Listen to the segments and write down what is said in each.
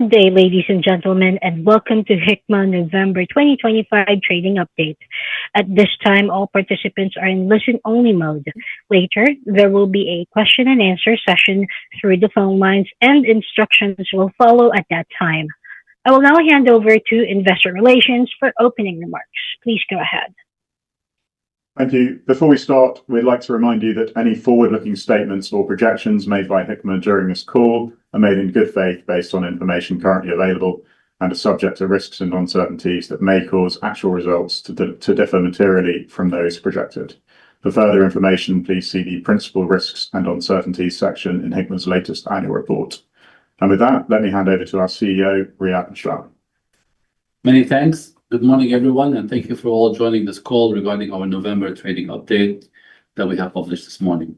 Okay, ladies and gentlemen, and welcome to Hikma November 2025 trading update. At this time, all participants are in listen-only mode. Later, there will be a question-and-answer session through the phone lines, and instructions will follow at that time. I will now hand over to Investor Relations for opening remarks. Please go ahead. Thank you. Before we start, we'd like to remind you that any forward-looking statements or projections made by Hikma during this call are made in good faith based on information currently available and are subject to risks and uncertainties that may cause actual results to differ materially from those projected. For further information, please see the Principal Risks and Uncertainties section in Hikma's latest annual report, and with that, let me hand over to our CEO, Riad Mishlawi. Many thanks. Good morning, everyone, and thank you for all joining this call regarding our November trading update that we have published this morning.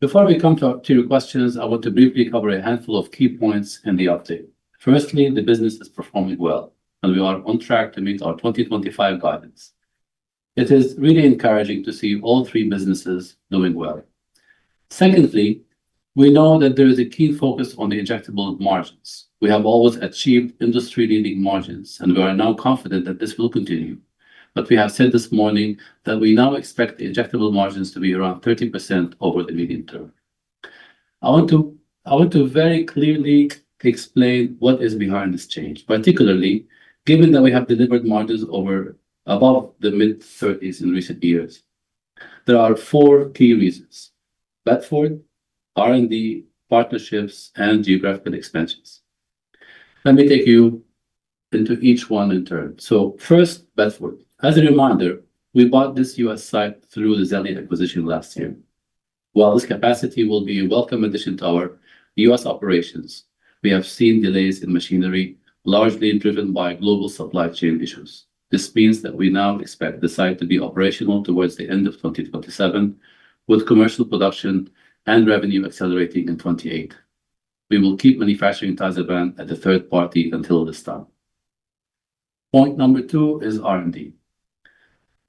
Before we come to your questions, I want to briefly cover a handful of key points in the update. Firstly, the business is performing well, and we are on track to meet our 2025 guidance. It is really encouraging to see all three businesses doing well. Secondly, we know that there is a keen focus on the injectable margins. We have always achieved industry-leading margins, and we are now confident that this will continue. But we have said this morning that we now expect the injectable margins to be around 30% over the medium term. I want to very clearly explain what is behind this change, particularly given that we have delivered margins above the mid-30s in recent years. There are four key reasons: Bedford, R&D, partnerships, and geographical expansions. Let me take you into each one in turn. So first, Bedford. As a reminder, we bought this U.S. site through the Xellia acquisition last year. While this capacity will be a welcome addition to our U.S. operations, we have seen delays in machinery, largely driven by global supply chain issues. This means that we now expect the site to be operational towards the end of 2027, with commercial production and revenue accelerating in 2028. We will keep manufacturing tied to the third party until this time. Point number two is R&D.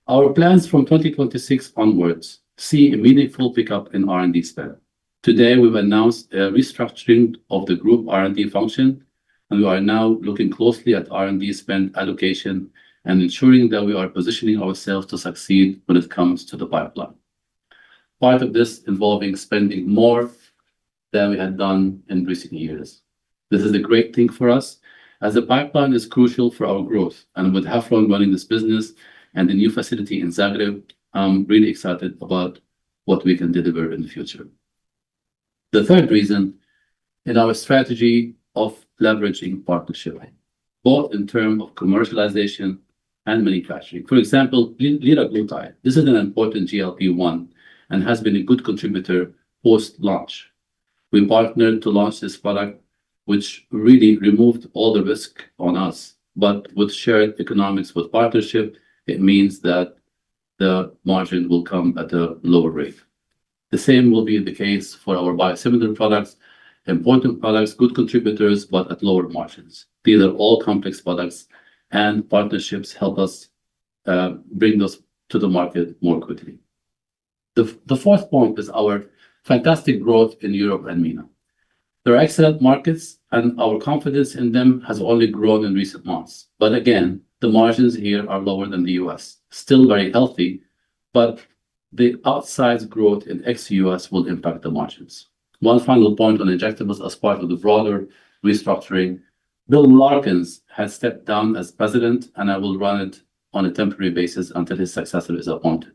Our plans from 2026 onwards see a meaningful pickup in R&D spend. Today, we've announced a restructuring of the group R&D function, and we are now looking closely at R&D spend allocation and ensuring that we are positioning ourselves to succeed when it comes to the pipeline. Part of this involves spending more than we had done in recent years. This is a great thing for us, as the pipeline is crucial for our growth, and with Hafrun running this business and the new facility in Zagreb, I'm really excited about what we can deliver in the future. The third reason is our strategy of leveraging partnership, both in terms of commercialization and manufacturing. For example, liraglutide, this is an important GLP-1 and has been a good contributor post-launch. We partnered to launch this product, which really removed all the risk on us. But with shared economics with partnership, it means that the margin will come at a lower rate. The same will be the case for our biosimilar products, important products, good contributors, but at lower margins. These are all complex products, and partnerships help us bring those to the market more quickly. The fourth point is our fantastic growth in Europe and MENA. They're excellent markets, and our confidence in them has only grown in recent months. But again, the margins here are lower than the U.S., still very healthy, but the outsized growth in ex-U.S. will impact the margins. One final point on Injectables as part of the broader restructuring: Bill Larkins has stepped down as president, and I will run it on a temporary basis until his successor is appointed.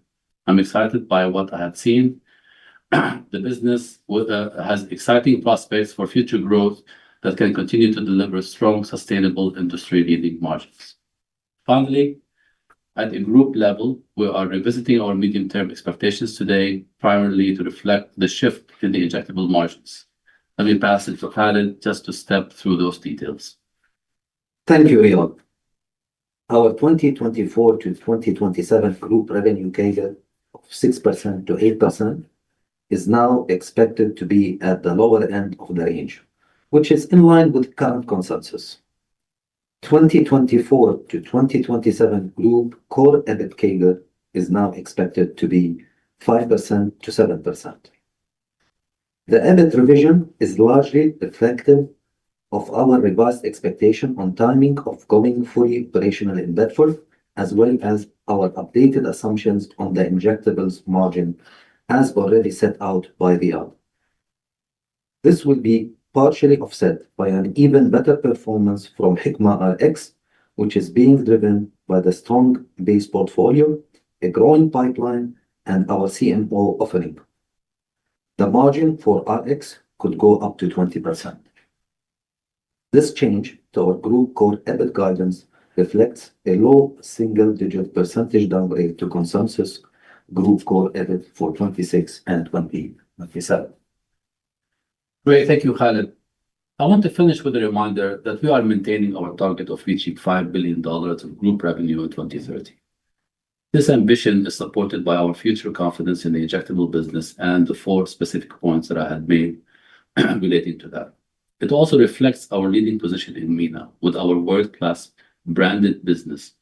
I'm excited by what I have seen. The business has exciting prospects for future growth that can continue to deliver strong, sustainable industry-leading margins. Finally, at the group level, we are revisiting our medium-term expectations today, primarily to reflect the shift to the injectable margins. Let me pass it to Khalid just to step through those details. Thank you, Riad. Our 2024-2027 group revenue CAGR of 6%-8% is now expected to be at the lower end of the range, which is in line with current consensus. The 2024-2027 group core EBIT CAGR is now expected to be 5%-7%. The EBIT revision is largely reflective of our revised expectation on timing of going fully operational in Bedford, as well as our updated assumptions on the injectable margin, as already set out by Riad. This will be partially offset by an even better performance from Hikma Rx, which is being driven by the strong base portfolio, a growing pipeline, and our CMO offering. The margin for Rx could go up to 20%. This change to our group core EBIT guidance reflects a low single-digit percentage downgrade to consensus group core EBIT for 2026 and 2027. Great. Thank you, Khalid. I want to finish with a reminder that we are maintaining our target of reaching $5 billion of group revenue in 2030. This ambition is supported by our future confidence in the injectable business and the four specific points that I had made relating to that. It also reflects our leading position in MENA with our world-class Branded business,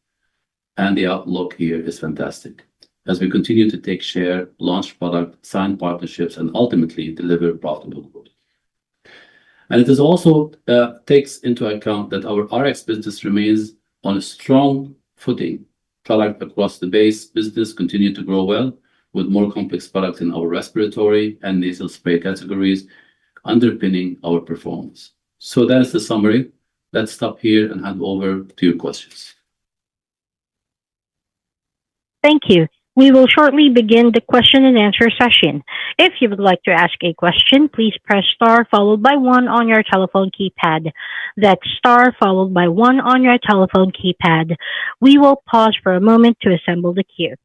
and the outlook here is fantastic as we continue to take share, launch product, sign partnerships, and ultimately deliver profitable growth. And it also takes into account that our Rx business remains on a strong footing, product across the base business continuing to grow well with more complex products in our respiratory and nasal spray categories underpinning our performance. So that is the summary. Let's stop here and hand over to your questions. Thank you. We will shortly begin the question-and-answer session. If you would like to ask a question, please press star followed by one on your telephone keypad. That's star followed by one on your telephone keypad. We will pause for a moment to assemble the queue.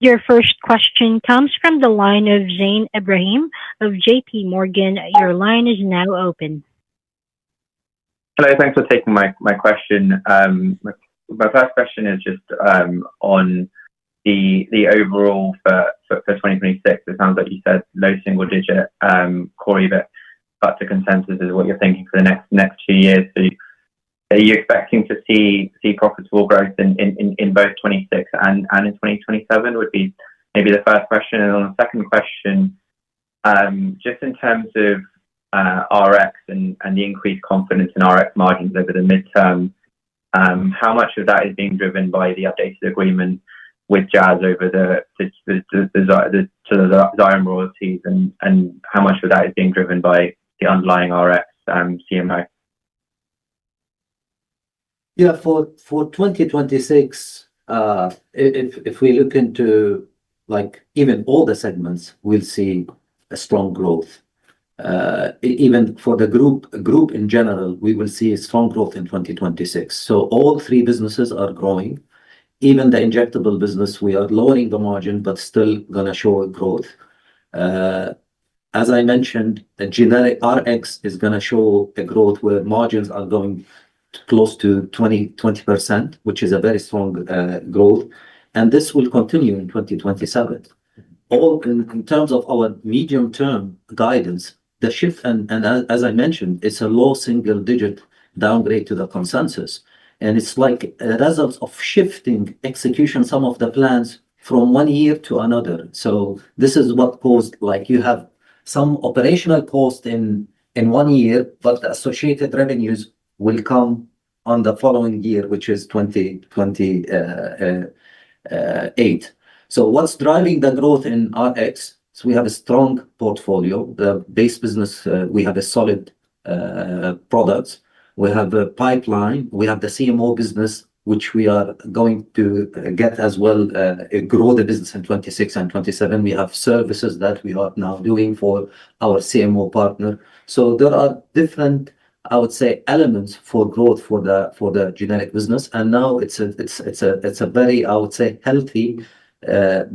Your first question comes from the line of Zain Ebrahim of JPMorgan. Your line is now open. Hello. Thanks for taking my question. My first question is just on the overall for 2026. It sounds like you said no single-digit Core EBIT, but to consensus is what you're thinking for the next two years. Are you expecting to see profitable growth in both 2026 and in 2027? Would be maybe the first question. And then the second question, just in terms of Rx and the increased confidence in Rx margins over the midterm, how much of that is being driven by the updated agreement with Jazz over the Xyrem royalties, and how much of that is being driven by the underlying Rx CMO? Yeah. For 2026, if we look into even all the segments, we'll see a strong growth. Even for the group in general, we will see a strong growth in 2026. So all three businesses are growing. Even the injectable business, we are lowering the margin, but still going to show a growth. As I mentioned, the generic Rx is going to show a growth where margins are going close to 20%, which is a very strong growth, and this will continue in 2027. In terms of our medium-term guidance, the shift, and as I mentioned, it's a low single-digit downgrade to the consensus, and it's like results of shifting execution some of the plans from one year to another. So this is what caused you have some operational cost in one year, but the associated revenues will come on the following year, which is 2028. So, what's driving the growth in Rx? So we have a strong portfolio, the base business. We have solid products. We have a pipeline. We have the CMO business, which we are going to get as well grow the business in 2026 and 2027. We have services that we are now doing for our CMO partner. So there are different, I would say, elements for growth for the generic business, and now it's a very, I would say, healthy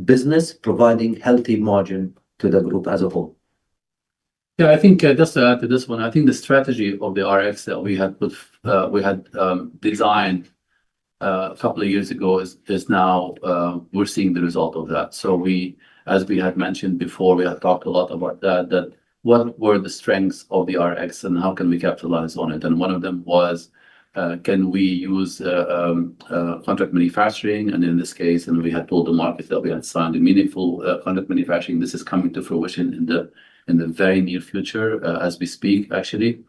business providing healthy margin to the group as a whole. Yeah, I think just to add to this one, I think the strategy of the Rx that we had designed a couple of years ago is now we're seeing the result of that. So as we had mentioned before, we had talked a lot about that, that what were the strengths of the Rx and how can we capitalize on it? And one of them was, can we use contract manufacturing? And in this case, we had told the market that we had signed a meaningful contract manufacturing. This is coming to fruition in the very near future as we speak, actually.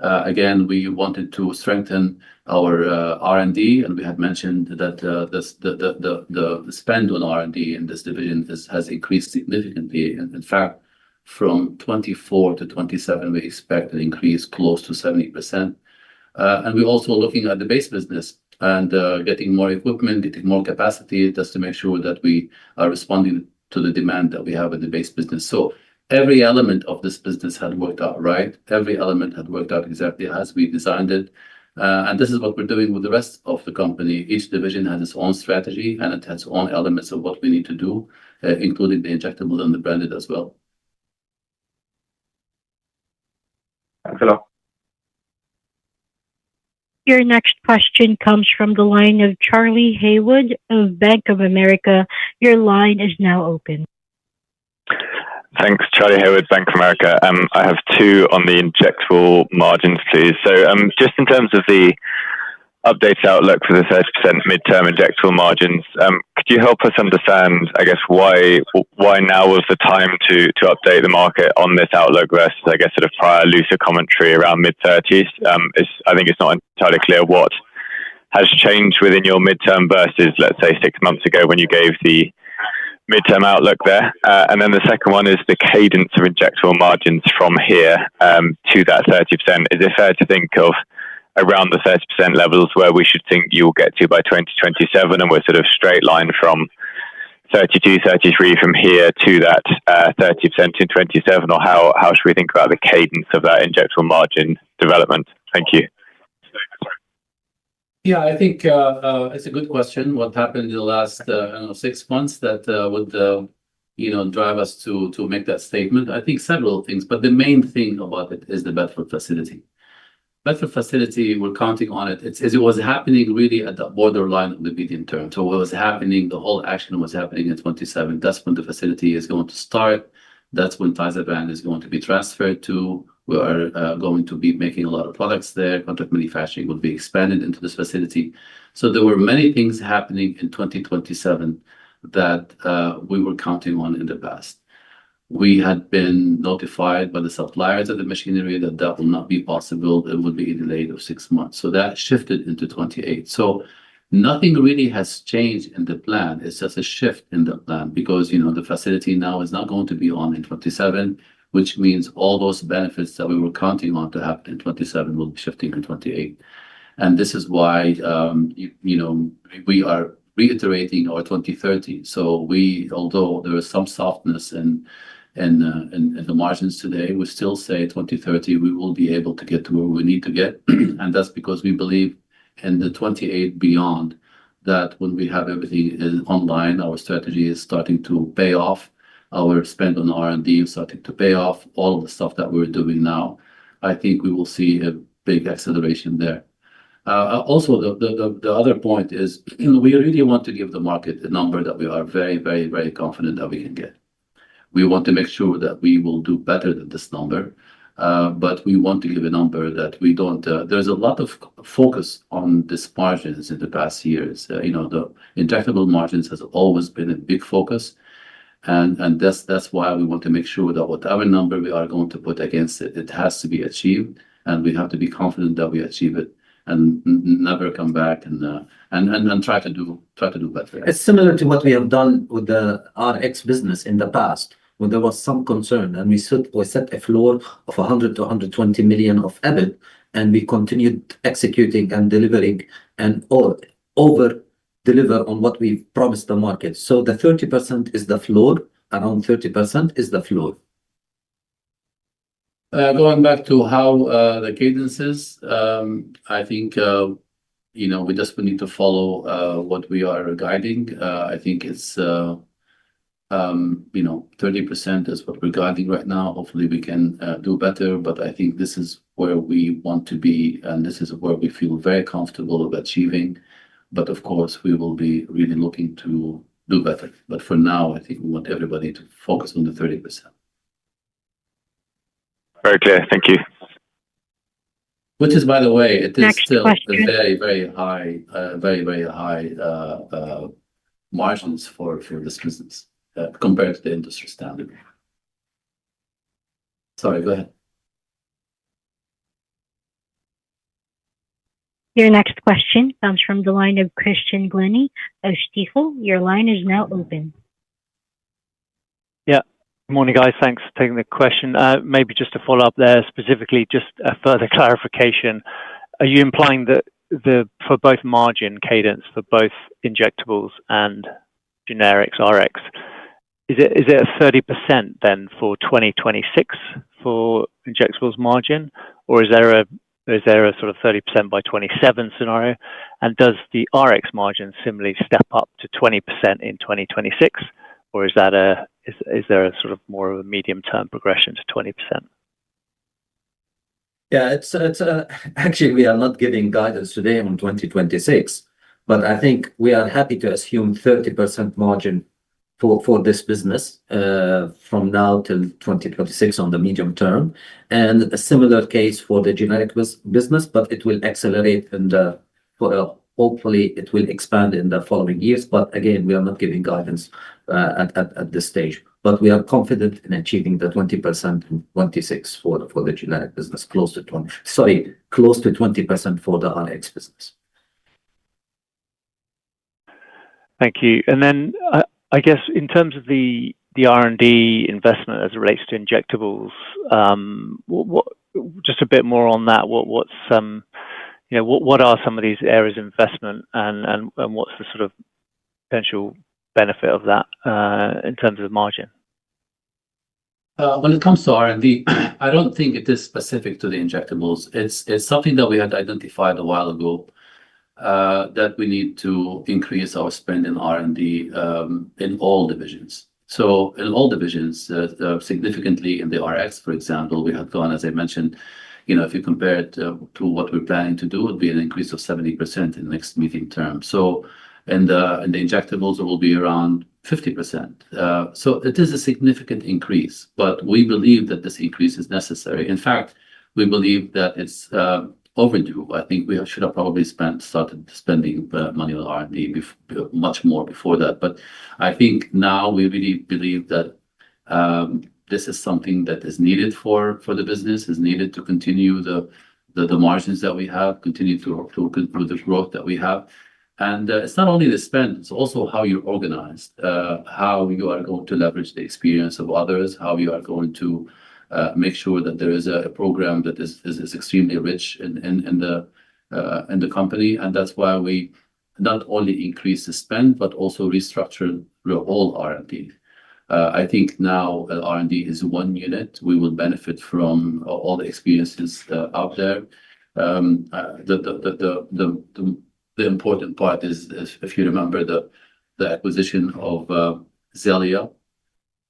Again, we wanted to strengthen our R&D, and we had mentioned that the spend on R&D in this division has increased significantly. In fact, from 2024 to 2027, we expect an increase close to 70%. And we're also looking at the base business and getting more equipment, getting more capacity just to make sure that we are responding to the demand that we have in the base business. So every element of this business had worked out right. Every element had worked out exactly as we designed it. And this is what we're doing with the rest of the company. Each division has its own strategy, and it has its own elements of what we need to do, including the Injectables and the Branded as well. Thanks. Hello. Your next question comes from the line of Charlie Haywood of Bank of America. Your line is now open. Thanks, Charlie Haywood, Bank of America. I have two on the Injectables margins, please. So just in terms of the updated outlook for the 30% mid-term Injectables margins, could you help us understand, I guess, why now was the time to update the market on this outlook versus, I guess, sort of prior looser commentary around mid-30s%? I think it's not entirely clear what has changed within your mid-term versus, let's say, six months ago when you gave the mid-term outlook there. And then the second one is the cadence of Injectables margins from here to that 30%. Is it fair to think of around the 30% levels where we should think you'll get to by 2027, and we're sort of straight-line from 32%-33% from here to that 30% in 2027? Or how should we think about the cadence of that Injectables margin development? Thank you. Yeah, I think it's a good question. What happened in the last six months that would drive us to make that statement? I think several things, but the main thing about it is the Bedford facility. Bedford facility, we're counting on it. It was happening really at the borderline of the medium term, so what was happening, the whole action was happening in 2027. That's when the facility is going to start. That's when Tyvaso is going to be transferred to. We are going to be making a lot of products there. Contract manufacturing will be expanded into this facility, so there were many things happening in 2027 that we were counting on in the past. We had been notified by the suppliers of the machinery that that will not be possible. It would be a delay of six months, so that shifted into 2028. Nothing really has changed in the plan. It's just a shift in the plan because the facility now is not going to be on in 2027, which means all those benefits that we were counting on to happen in 2027 will be shifting in 2028. And this is why we are reiterating our 2030. Although there is some softness in the margins today, we still say 2030, we will be able to get to where we need to get. And that's because we believe in the 2028 beyond that when we have everything online, our strategy is starting to pay off. Our spend on R&D is starting to pay off, all of the stuff that we're doing now. I think we will see a big acceleration there. Also, the other point is we really want to give the market the number that we are very, very, very confident that we can get. We want to make sure that we will do better than this number, but we want to give a number that we don't. There's a lot of focus on these margins in the past years. The injectable margins has always been a big focus, and that's why we want to make sure that whatever number we are going to put against it, it has to be achieved, and we have to be confident that we achieve it and never come back and try to do better. It's similar to what we have done with the Rx business in the past when there was some concern, and we set a floor of $100 million-$120 million of EBIT, and we continued executing and delivering and over-deliver on what we've promised the market. So the 30% is the floor. Around 30% is the floor. Going back to how the cadence is, I think we just need to follow what we are guiding. I think 30% is what we're guiding right now. Hopefully, we can do better, but I think this is where we want to be, and this is where we feel very comfortable of achieving. But of course, we will be really looking to do better. But for now, I think we want everybody to focus on the 30%. Okay. Thank you. Which is, by the way, it is still very, very high, very, very high margins for this business compared to the industry standard. Sorry, go ahead. Your next question comes from the line of Christian Glennie of Stifel. Your line is now open. Yeah. Good morning, guys. Thanks for taking the question. Maybe just to follow up there specifically, just a further clarification. Are you implying that for both margin cadence for both Injectables and generics Rx, is it a 30% then for 2026 for Injectables margin, or is there a sort of 30% by 2027 scenario? And does the Rx margin similarly step up to 20% in 2026, or is there a sort of more of a medium-term progression to 20%? Yeah. Actually, we are not giving guidance today on 2026, but I think we are happy to assume 30% margin for this business from now till 2026 on the medium term, and a similar case for the generic business, but it will accelerate, and hopefully, it will expand in the following years, but again, we are not giving guidance at this stage, but we are confident in achieving the 20% in 2026 for the generic business, close to 20, sorry, close to 20% for the Rx business. Thank you. And then I guess in terms of the R&D investment as it relates to Injectables, just a bit more on that. What are some of these areas of investment, and what's the sort of potential benefit of that in terms of margin? When it comes to R&D, I don't think it is specific to the Injectables. It's something that we had identified a while ago that we need to increase our spend in R&D in all divisions. So in all divisions, significantly in the Rx, for example, we have gone, as I mentioned, if you compare it to what we're planning to do, it would be an increase of 70% in the next medium term. So in the Injectables, it will be around 50%. So it is a significant increase, but we believe that this increase is necessary. In fact, we believe that it's overdue. I think we should have probably started spending money on R&D much more before that. I think now we really believe that this is something that is needed for the business, is needed to continue the margins that we have, continue to work through the growth that we have. And it's not only the spend, it's also how you're organized, how you are going to leverage the experience of others, how you are going to make sure that there is a program that is extremely rich in the company. And that's why we not only increase the spend, but also restructure all R&D. I think now R&D is one unit. We will benefit from all the experiences out there. The important part is, if you remember the acquisition of Xellia,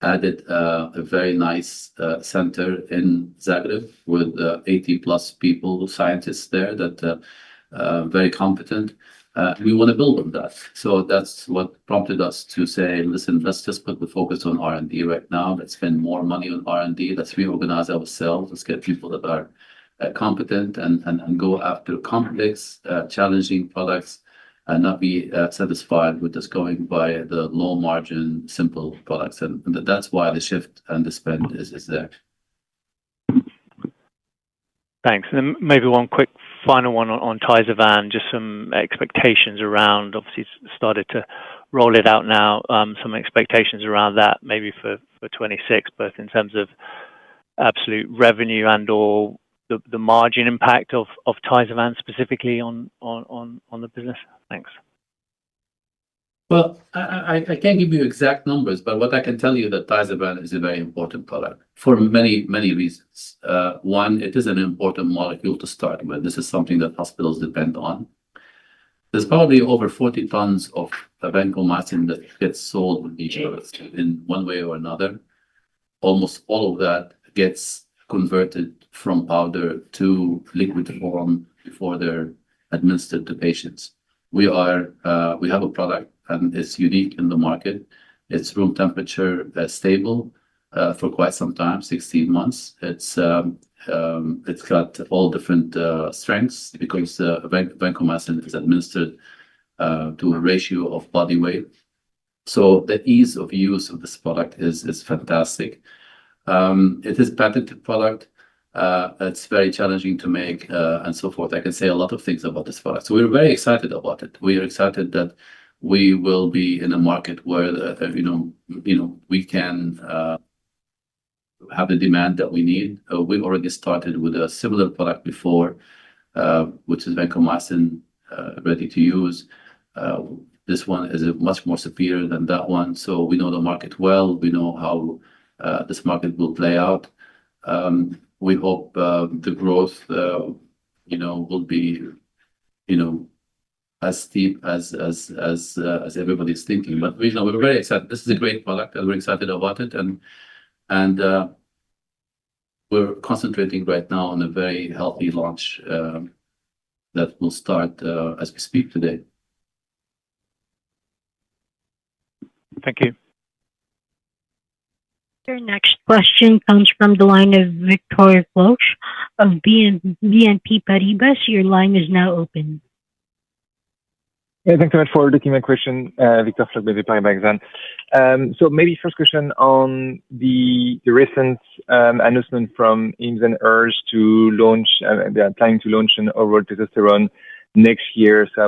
added a very nice center in Zagreb with 80-plus people, scientists there that are very competent. We want to build on that. So that's what prompted us to say, "Listen, let's just put the focus on R&D right now. Let's spend more money on R&D. Let's reorganize ourselves. Let's get people that are competent and go after complex, challenging products and not be satisfied with just going by the low-margin, simple products." And that's why the shift and the spend is there. Thanks. And maybe one quick final one on Vancomycin, just some expectations around, obviously, started to roll it out now, some expectations around that maybe for 2026, both in terms of absolute revenue and/or the margin impact of Vancomycin specifically on the business? Thanks. I can't give you exact numbers, but what I can tell you is that Tyvaso is a very important product for many, many reasons. One, it is an important molecule to start with. This is something that hospitals depend on. There's probably over 40 tons of vancomycin that gets sold in the U.S. in one way or another. Almost all of that gets converted from powder to liquid form before they're administered to patients. We have a product, and it's unique in the market. It's room temperature stable for quite some time, 16 months. It's got all different strengths because vancomycin is administered to a ratio of body weight. So the ease of use of this product is fantastic. It is a patented product. It's very challenging to make and so forth. I can say a lot of things about this product. We're very excited about it. We are excited that we will be in a market where we can have the demand that we need. We've already started with a similar product before, which is Vancomycin Ready-to-Use. This one is much more superior than that one, so we know the market well. We know how this market will play out. We hope the growth will be as steep as everybody is thinking, but we're very excited. This is a great product, and we're excited about it and we're concentrating right now on a very healthy launch that will start as we speak today. Thank you. Your next question comes from the line of Victor Floc'h of BNP Paribas. Your line is now open. Thanks so much for taking my question. Victor Floc'h, maybe playing back then. So maybe first question on the recent announcement from Amneal to launch. They are planning to launch an oral testosterone next year. So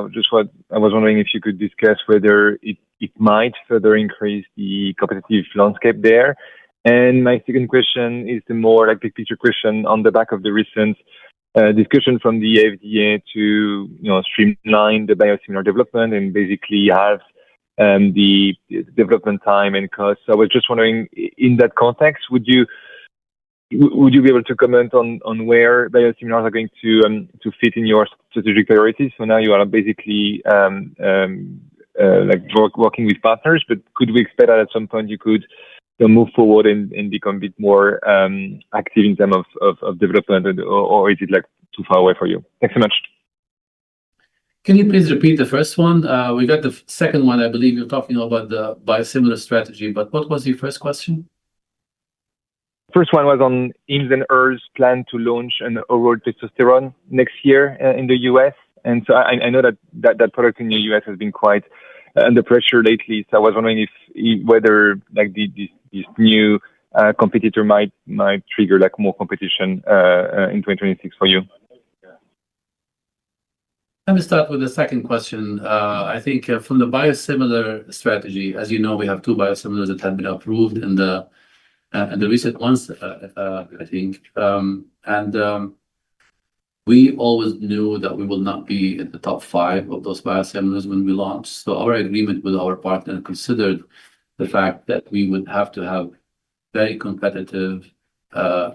I was wondering if you could discuss whether it might further increase the competitive landscape there. And my second question is the more big-picture question on the back of the recent discussion from the FDA to streamline the biosimilar development and basically halve the development time and cost. So I was just wondering, in that context, would you be able to comment on where biosimilars are going to fit in your strategic priorities? So now you are basically working with partners, but could we expect that at some point you could move forward and become a bit more active in terms of development, or is it too far away for you? Thanks so much. Can you please repeat the first one? We got the second one. I believe you're talking about the biosimilar strategy, but what was your first question? First one was on Amneal Pharmaceuticals' plan to launch an oral testosterone next year in the US. And so I know that that product in the US has been quite under pressure lately. So I was wondering whether this new competitor might trigger more competition in 2026 for you. Let me start with the second question. I think from the biosimilar strategy, as you know, we have two biosimilars that have been approved in the recent ones, I think. And we always knew that we will not be in the top five of those biosimilars when we launch. So our agreement with our partner considered the fact that we would have to have very competitive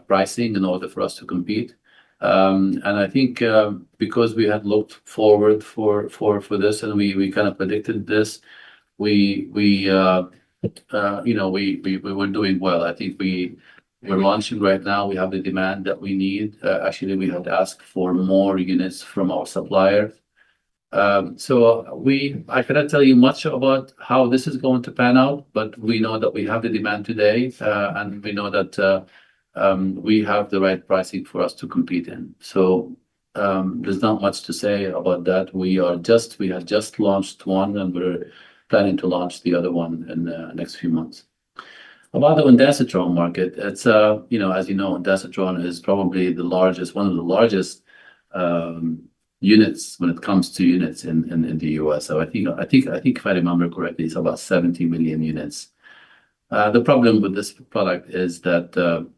pricing in order for us to compete. And I think because we had looked forward for this and we kind of predicted this, we were doing well. I think we're launching right now. We have the demand that we need. Actually, we had asked for more units from our suppliers. So I cannot tell you much about how this is going to pan out, but we know that we have the demand today, and we know that we have the right pricing for us to compete in. So there's not much to say about that. We have just launched one, and we're planning to launch the other one in the next few months. About the ondansetron market, as you know, ondansetron is probably one of the largest units when it comes to units in the U.S. So I think, if I remember correctly, it's about 70 million units. The problem with this product is that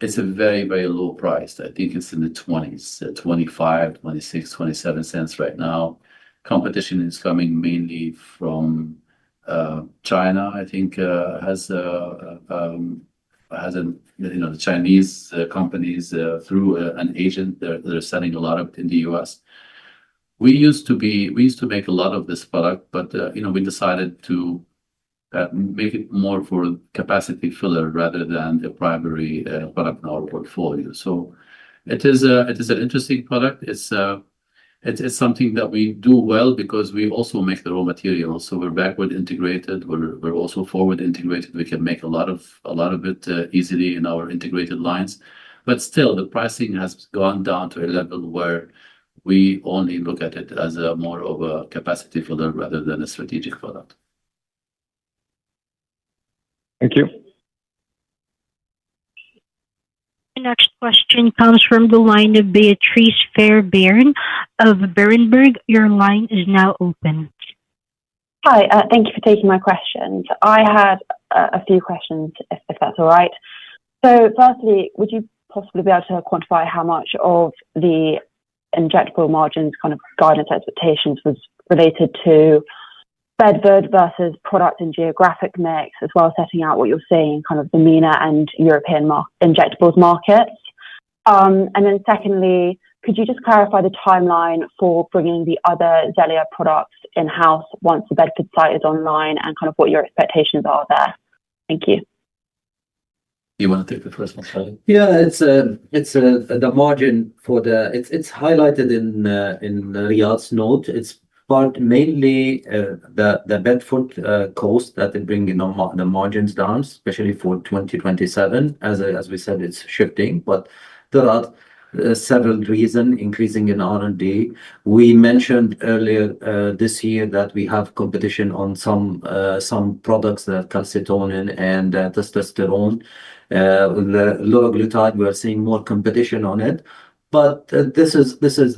it's a very, very low price. I think it's in the 20s, $0.25, $0.26, $0.27 right now. Competition is coming mainly from China, I think, Chinese companies through an agent. They're selling a lot of it in the U.S. We used to make a lot of this product, but we decided to make it more for capacity filler rather than the primary product in our portfolio. So it is an interesting product. It's something that we do well because we also make the raw materials. So we're backward integrated. We're also forward integrated. We can make a lot of it easily in our integrated lines. But still, the pricing has gone down to a level where we only look at it as more of a capacity filler rather than a strategic product. Thank you. Your next question comes from the line of Beatrice Fairbairn of Berenberg. Your line is now open. Hi. Thank you for taking my questions. I had a few questions, if that's all right. So firstly, would you possibly be able to quantify how much of the injectable margins kind of guidance expectations was related to Bedford versus product and geographic mix, as well as setting out what you're seeing in kind of the MENA and European Injectables markets? And then secondly, could you just clarify the timeline for bringing the other Xellia products in-house once the Bedford site is online and kind of what your expectations are there? Thank you. You want to take the first one, sorry. Yeah, it's the margin for the. It's highlighted in Riad's note. It's part, mainly the Bedford cost that bring the margins down, especially for 2027. As we said, it's shifting, but there are several reasons, increasing in R&D. We mentioned earlier this year that we have competition on some products, the calcitonin and testosterone. The liraglutide, we're seeing more competition on it. But this is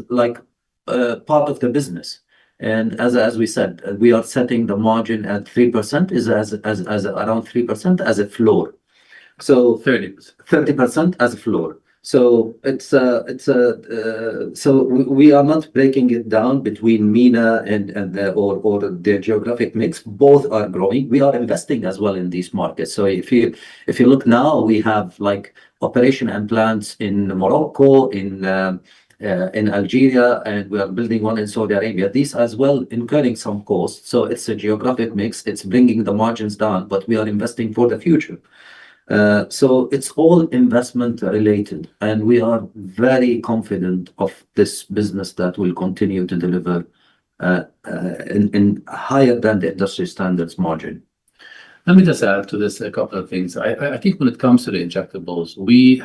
part of the business. And as we said, we are setting the margin at 3%, around 3% as a floor. So 30%. 30% as a floor. So we are not breaking it down between MENA or the geographic mix. Both are growing. We are investing as well in these markets. So if you look now, we have operations and plants in Morocco, in Algeria, and we are building one in Saudi Arabia. These, as well, incurring some costs. So it's a geographic mix. It's bringing the margins down, but we are investing for the future. So it's all investment-related, and we are very confident of this business that will continue to deliver in higher than the industry standards margin. Let me just add to this a couple of things. I think when it comes to the Injectables, the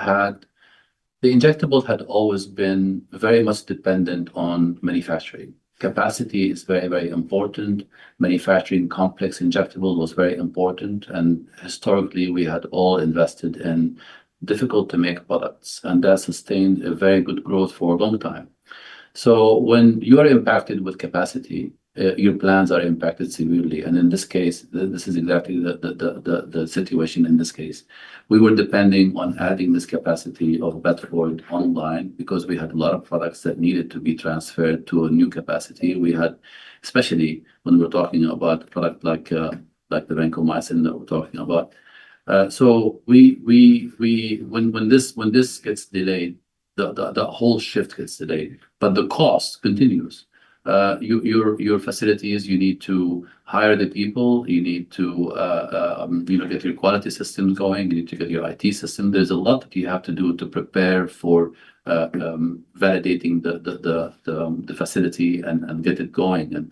Injectables had always been very much dependent on manufacturing. Capacity is very, very important. Manufacturing complex injectable was very important, and historically, we had all invested in difficult-to-make products, and that sustained a very good growth for a long time, so when you are impacted with capacity, your plans are impacted severely, and in this case, this is exactly the situation in this case. We were depending on adding this capacity of Bedford online because we had a lot of products that needed to be transferred to a new capacity, we had, especially when we were talking about a product like the Vancomycin that we're talking about, so when this gets delayed, the whole shift gets delayed, but the cost continues. Your facilities, you need to hire the people. You need to get your quality systems going. You need to get your IT system. There's a lot that you have to do to prepare for validating the facility and get it going.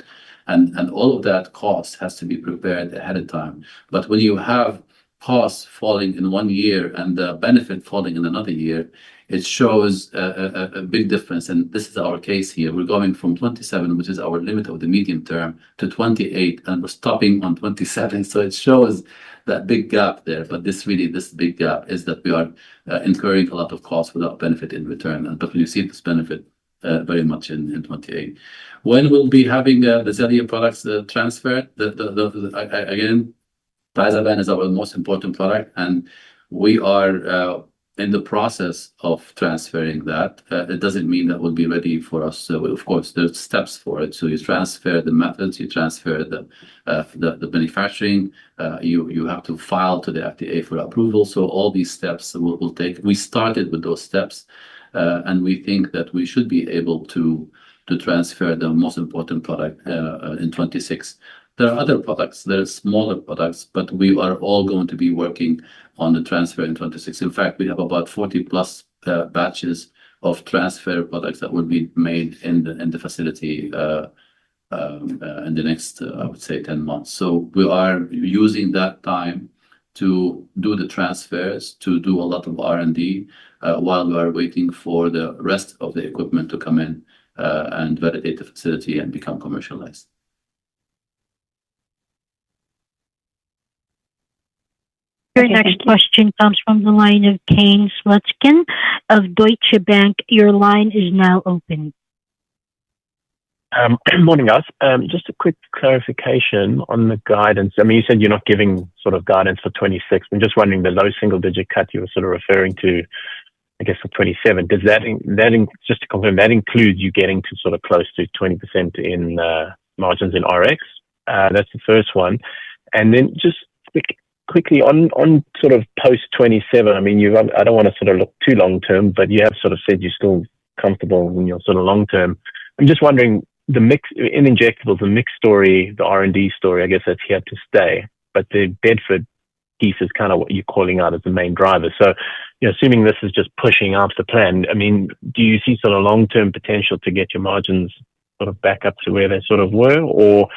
And all of that cost has to be prepared ahead of time. But when you have costs falling in one year and the benefit falling in another year, it shows a big difference. And this is our case here. We're going from 2027, which is our limit of the medium term, to 2028, and we're stopping on 2027. So it shows that big gap there. But this big gap is that we are incurring a lot of costs without benefit in return. But you see this benefit very much in 2028. When we'll be having the Xellia products transferred? Again, Vancomycin is our most important product, and we are in the process of transferring that. It doesn't mean that we'll be ready for us. Of course, there are steps for it. So you transfer the methods. You transfer the manufacturing. You have to file to the FDA for approval. So all these steps will take. We started with those steps, and we think that we should be able to transfer the most important product in 2026. There are other products. There are smaller products, but we are all going to be working on the transfer in 2026. In fact, we have about 40-plus batches of transfer products that will be made in the facility in the next, I would say, 10 months. So we are using that time to do the transfers, to do a lot of R&D while we are waiting for the rest of the equipment to come in and validate the facility and become commercialized. Your next question comes from the line of Kane Slutzkin of Deutsche Bank. Your line is now open. Morning, guys. Just a quick clarification on the guidance. I mean, you said you're not giving sort of guidance for 2026. I'm just wondering, the low single-digit cut you were sort of referring to, I guess, for 2027. Just to confirm, that includes you getting to sort of close to 20% in margins in Rx. That's the first one. And then just quickly on sort of post 2027, I mean, I don't want to sort of look too long-term, but you have sort of said you're still comfortable in your sort of long-term. I'm just wondering, in Injectables, the mixed story, the R&D story, I guess that's here to stay. But the Bedford piece is kind of what you're calling out as the main driver. So assuming this is just pushing up the plan, I mean, do you see sort of long-term potential to get your margins sort of back up to where they sort of were? Or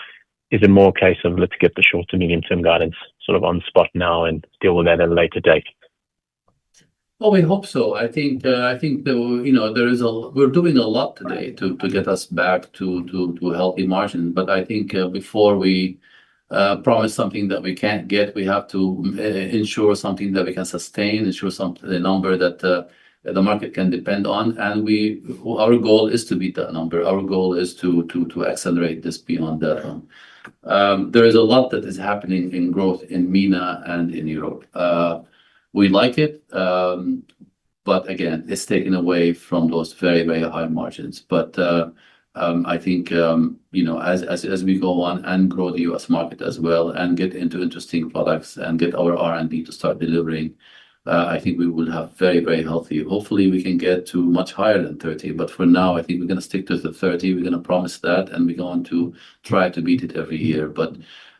is it more a case of, let's get the short-to-medium-term guidance sort of on spot now and deal with that at a later date? We hope so. I think we're doing a lot today to get us back to healthy margins. But I think before we promise something that we can't get, we have to ensure something that we can sustain, the number that the market can depend on. Our goal is to beat that number. Our goal is to accelerate this beyond that. There is a lot that is happening in growth in MENA and in Europe. We like it, but again, it's taken away from those very, very high margins. I think as we go on and grow the U.S. market as well and get into interesting products and get our R&D to start delivering, I think we will have very, very healthy. Hopefully, we can get to much higher than 30. But for now, I think we're going to stick to the 30. We're going to promise that, and we're going to try to beat it every year. But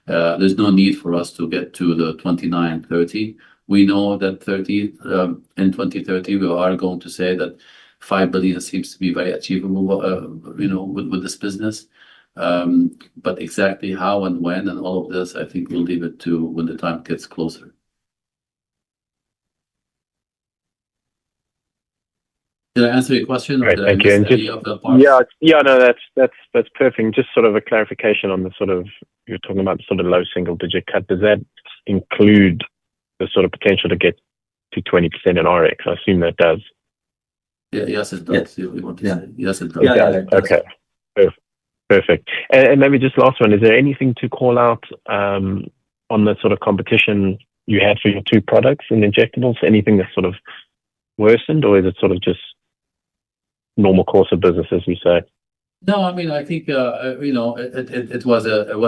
there's no need for us to get to the 29, 30. We know that in 2030, we are going to say that $5 billion seems to be very achievable with this business. But exactly how and when and all of this, I think we'll leave it to when the time gets closer. Did I answer your question? Yeah. Yeah, no, that's perfect. Just sort of a clarification on the sort of you're talking about the sort of low single-digit cut. Does that include the sort of potential to get to 20% in Rx? I assume that does. Yeah, yes, it does. We want to say yes, it does. Yeah. Okay. Perfect. And maybe just last one. Is there anything to call out on the sort of competition you had for your two products in Injectables? Anything that sort of worsened, or is it sort of just normal course of business, as we say? No, I mean, I think it was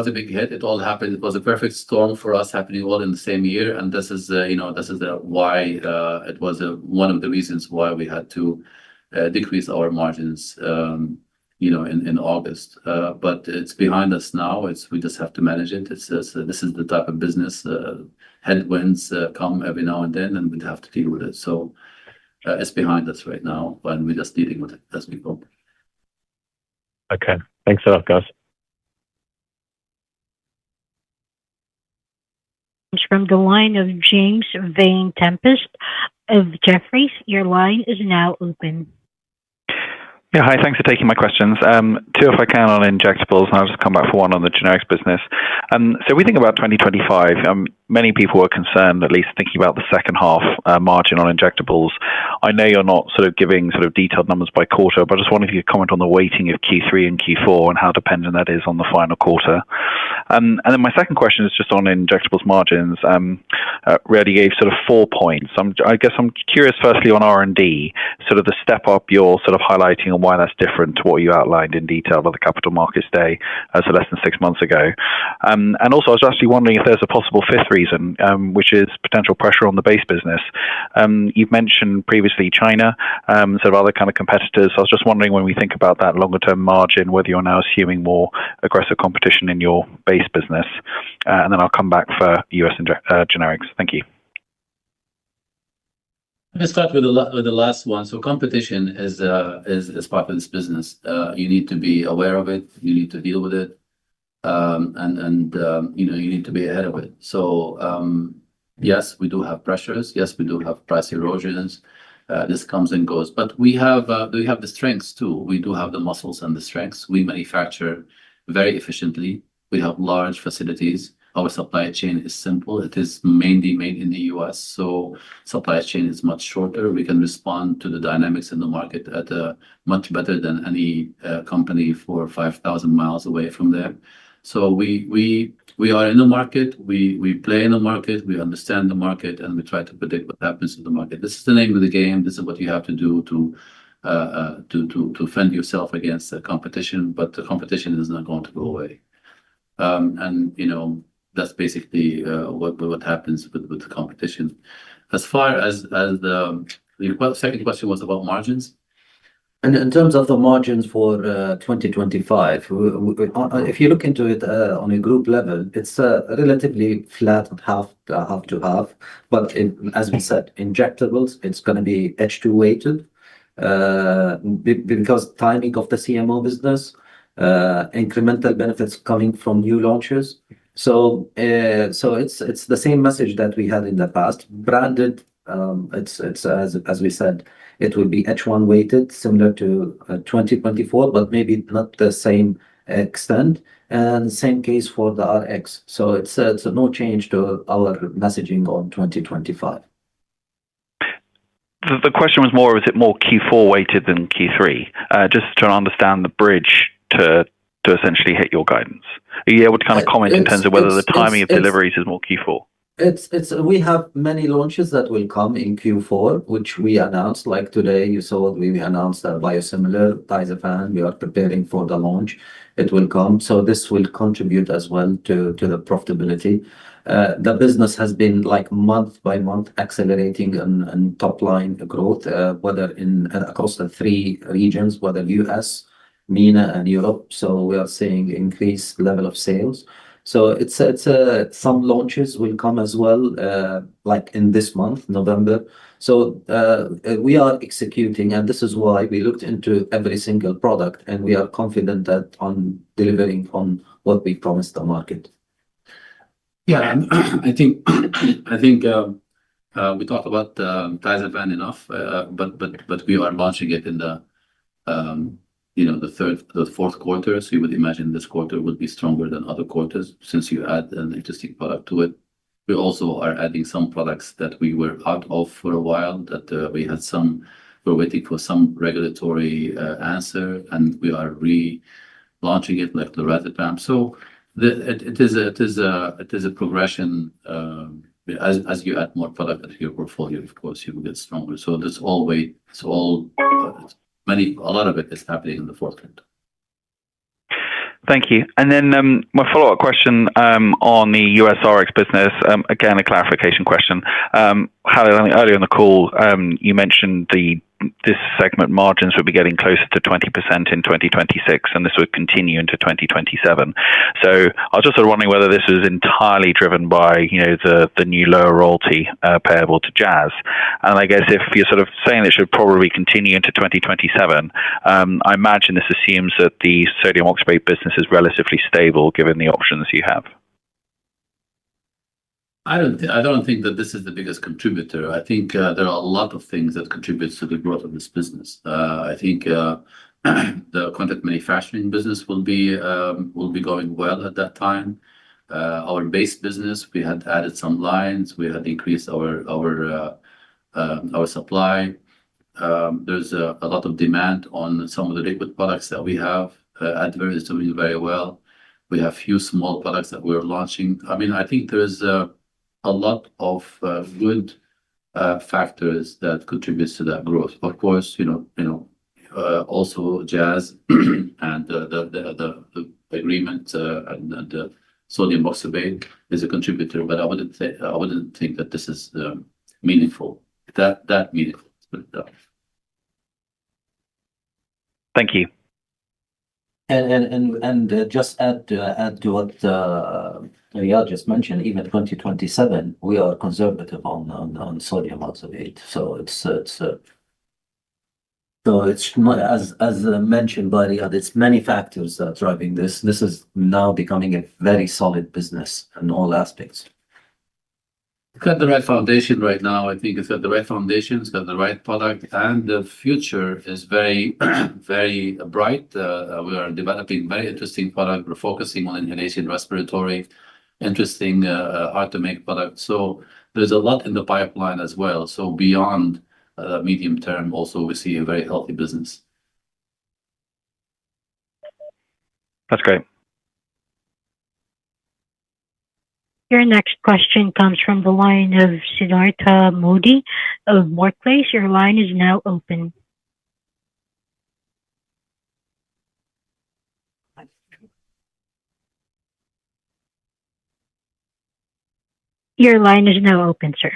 a big hit. It all happened. It was a perfect storm for us happening all in the same year. And this is why it was one of the reasons why we had to decrease our margins in August. But it's behind us now. We just have to manage it. This is the type of business headwinds come every now and then, and we have to deal with it. So it's behind us right now, but we're just dealing with it as we go. Okay. Thanks a lot, guys. From the line of James Vane-Tempest of Jefferies, your line is now open. Yeah. Hi. Thanks for taking my questions. Two, if I can, on Injectables. And I'll just come back for one on the generic business. So we think about 2025. Many people are concerned, at least thinking about the second half margin on Injectables. I know you're not sort of giving sort of detailed numbers by quarter, but I just wanted you to comment on the weighting of Q3 and Q4 and how dependent that is on the final quarter. And then my second question is just on Injectables margins. Really gave sort of four points. I guess I'm curious, firstly, on R&D, sort of the step-up you're sort of highlighting and why that's different to what you outlined in detail by the capital markets day as of less than six months ago. And also, I was actually wondering if there's a possible fifth reason, which is potential pressure on the base business. You've mentioned previously China, sort of other kind of competitors. I was just wondering when we think about that longer-term margin, whether you're now assuming more aggressive competition in your base business. And then I'll come back for US generics. Thank you. Let me start with the last one. So competition is part of this business. You need to be aware of it. You need to deal with it. And you need to be ahead of it. So yes, we do have pressures. Yes, we do have price erosions. This comes and goes. But we have the strengths too. We do have the muscles and the strengths. We manufacture very efficiently. We have large facilities. Our supply chain is simple. It is mainly made in the U.S. So supply chain is much shorter. We can respond to the dynamics in the market much better than any company for 5,000 miles away from there. So we are in the market. We play in the market. We understand the market, and we try to predict what happens in the market. This is the name of the game. This is what you have to do to fend yourself against the competition, but the competition is not going to go away. And that's basically what happens with the competition. As far as the second question was about margins? And in terms of the margins for 2025, if you look into it on a group level, it's relatively flat, half to half. But as we said, Injectables, it's going to be H2-weighted because timing of the CMO business, incremental benefits coming from new launches. So it's the same message that we had in the past. Branded, as we said, it will be H1-weighted, similar to 2024, but maybe not the same extent. And same case for the Rx. So it's no change to our messaging on 2025. The question was more, was it more Q4-weighted than Q3? Just to understand the bridge to essentially hit your guidance. Are you able to kind of comment in terms of whether the timing of deliveries is more Q4? We have many launches that will come in Q4, which we announced. Like today, you saw we announced that biosimilar, Tyvaso, we are preparing for the launch. It will come. So this will contribute as well to the profitability. The business has been month-by-month accelerating and top-line growth, whether in across the three regions, whether U.S., MENA, and Europe. So we are seeing increased level of sales. So some launches will come as well in this month, November. So we are executing, and this is why we looked into every single product, and we are confident that on delivering on what we promised the market. Yeah. I think we talked about Tyvaso enough, but we are launching it in the third, the fourth quarter. So you would imagine this quarter would be stronger than other quarters since you add an interesting product to it. We also are adding some products that we were out of for a while that we had some we're waiting for some regulatory answer, and we are relaunching it like the [inaudible] Razid Vamp. So it is a progression. As you add more product into your portfolio, of course, you will get stronger. So there's always a lot of it is happening in the fourth quarter. Thank you. And then my follow-up question on the US Rx business. Again, a clarification question. Earlier in the call, you mentioned this segment margins would be getting closer to 20% in 2026, and this would continue into 2027. So I was just sort of wondering whether this was entirely driven by the new lower royalty payable to Jazz. And I guess if you're sort of saying it should probably continue into 2027, I imagine this assumes that the sodium oxybate business is relatively stable given the options you have. I don't think that this is the biggest contributor. I think there are a lot of things that contribute to the growth of this business. I think the contract manufacturing business will be going well at that time. Our base business, we had added some lines. We had increased our supply. There's a lot of demand on some of the liquid products that we have. Advair is doing very well. We have a few small products that we're launching. I mean, I think there's a lot of good factors that contribute to that growth. Of course, also Jazz and the agreement and the sodium oxybate is a contributor, but I wouldn't think that this is meaningful. Thank you. Just add to what Riad just mentioned, even 2027, we are conservative on sodium oxybate. As mentioned by Riad, it's many factors that are driving this. This is now becoming a very solid business in all aspects. It's got the right foundation right now. I think it's got the right foundation. It's got the right product, and the future is very, very bright. We are developing very interesting products. We're focusing on inhalation respiratory, interesting, hard-to-make products, so there's a lot in the pipeline as well. Beyond the medium term, also, we see a very healthy business. That's great. Your next question comes from the line of Sidhartha Modi of Barclays. Your line is now open. Your line is now open, sir.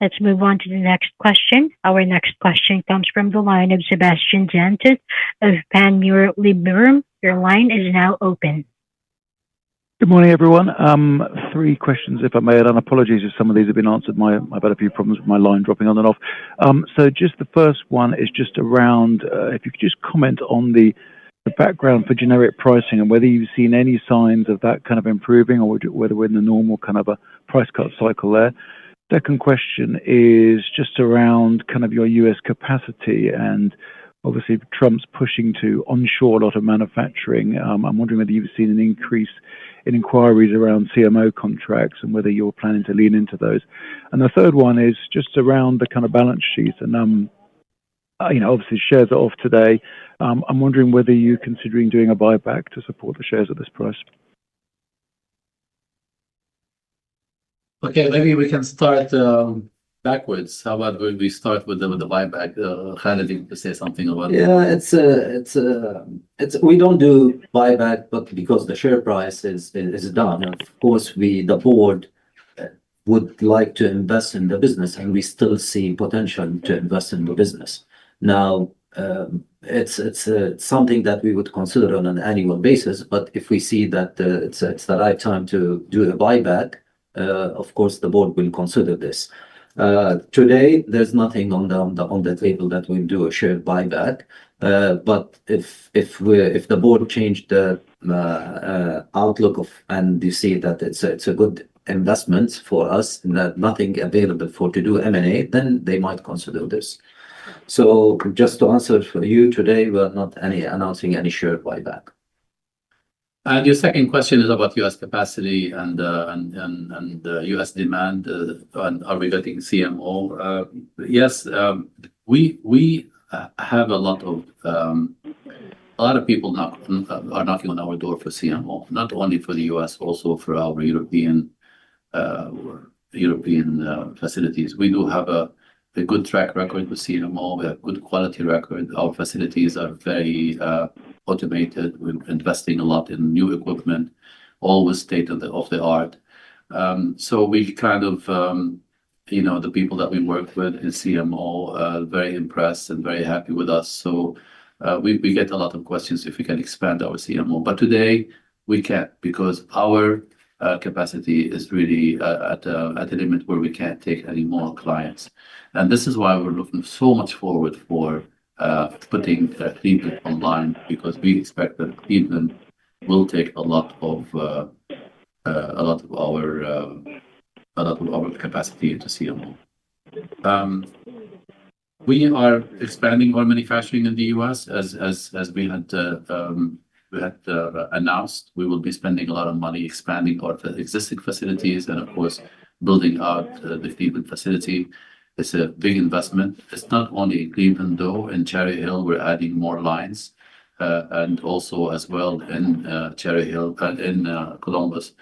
Let's move on to the next question. Our next question comes from the line of Sebastien Jantet of Panmure Liberum. Your line is now open. Good morning, everyone. Three questions, if I may add on. Apologies if some of these have been answered. I've had a few problems with my line dropping on and off. So just the first one is just around if you could just comment on the background for generic pricing and whether you've seen any signs of that kind of improving or whether we're in the normal kind of a price cut cycle there. Second question is just around kind of your U.S. capacity and obviously Trump's pushing to onshore a lot of manufacturing. I'm wondering whether you've seen an increase in inquiries around CMO contracts and whether you're planning to lean into those. And the third one is just around the kind of balance sheet. And obviously, shares are off today. I'm wondering whether you're considering doing a buyback to support the shares at this price. Okay. Maybe we can start backwards. How about we start with the buyback? Khalid, you can say something about that. Yeah. We don't do buyback because the share price is down. Of course, the board would like to invest in the business, and we still see potential to invest in the business. Now, it's something that we would consider on an annual basis, but if we see that it's the right time to do a buyback, of course, the board will consider this. Today, there's nothing on the table that will do a share buyback, but if the board changed the outlook and you see that it's a good investment for us, nothing available for to do M&A, then they might consider this. So just to answer for you today, we're not announcing any share buyback. Your second question is about US capacity and US demand. Are we getting CMO? Yes. We have a lot of people are knocking on our door for CMO, not only for the US, also for our European facilities. We do have a good track record with CMO. We have a good quality record. Our facilities are very automated. We're investing a lot in new equipment, always state of the art. So, we kind of, the people that we work with in CMO are very impressed and very happy with us. So we get a lot of questions if we can expand our CMO. But today, we can't because our capacity is really at a limit where we can't take any more clients. This is why we're looking so much forward to putting Cleveland online because we expect that Cleveland will take a lot of a lot of our capacity into CMO. We are expanding our manufacturing in the U.S. as we had announced. We will be spending a lot of money expanding our existing facilities and, of course, building out the Cleveland facility. It's a big investment. It's not only Cleveland, though. In Cherry Hill, we're adding more lines. Also as well in Cherry Hill and in Columbus,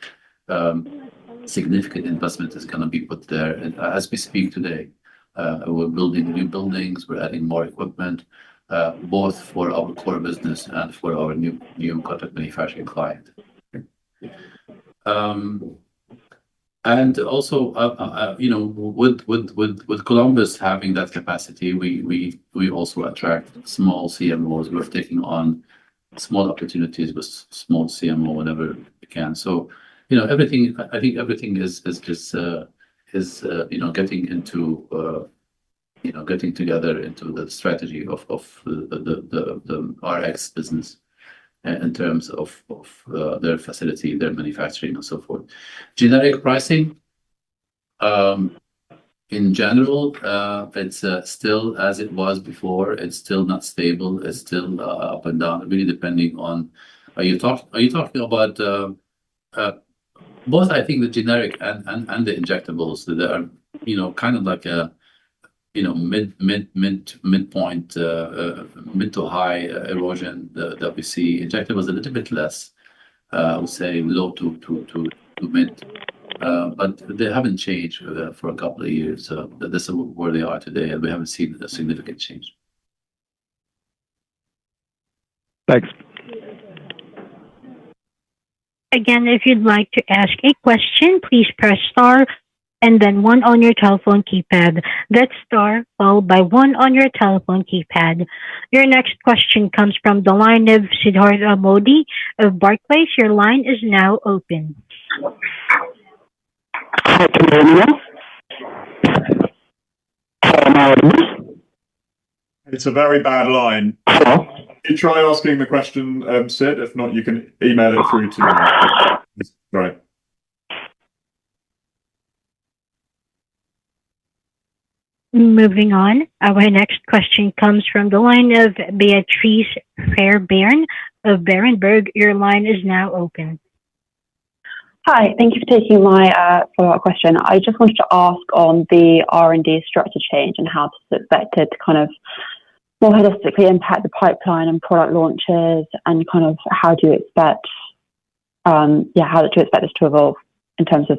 significant investment is going to be put there. As we speak today, we're building new buildings. We're adding more equipment, both for our core business and for our new contract manufacturing client. Also, with Columbus having that capacity, we also attract small CMOs. We're taking on small opportunities with small CMO whenever we can. I think everything is getting into getting together into the strategy of the Rx business in terms of their facility, their manufacturing, and so forth. Generic pricing, in general, it's still as it was before. It's still not stable. It's still up and down, really depending on are you talking about both, I think, the generic and the Injectables that are kind of like a midpoint, mid to high erosion that we see. Injectables are a little bit less, I would say, low to mid. But they haven't changed for a couple of years. This is where they are today, and we haven't seen a significant change. Thanks. Again, if you'd like to ask a question, please press star and then one on your telephone keypad. That's star followed by one on your telephone keypad. Your next question comes from the line of Sidhartha Modi of Barclays. Your line is now open. Hi, it's a very bad line. You try asking the question, Sid. If not, you can email it through to me. Sorry. Moving on. Our next question comes from the line of Beatrice Fairbairn of Berenberg. Your line is now open. Hi. Thank you for taking my follow-up question. I just wanted to ask on the R&D strategy change and how this is expected to kind of more holistically impact the pipeline and product launches, and kind of how do you expect, how do you expect this to evolve in terms of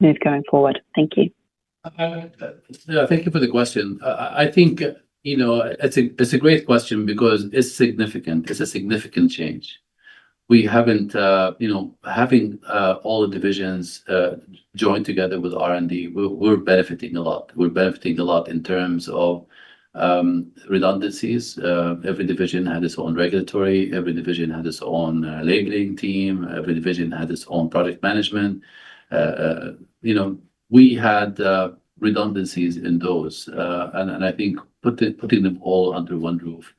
moving forward? Thank you. Thank you for the question. I think it's a great question because it's significant. It's a significant change. Having all the divisions joined together with R&D, we're benefiting a lot. We're benefiting a lot in terms of redundancies. Every division had its own regulatory. Every division had its own labeling team. Every division had its own project management. We had redundancies in those. And I think putting them all under one roof,